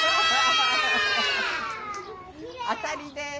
当たりです。